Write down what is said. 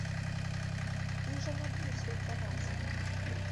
Іх жа не будуць фільтраваць!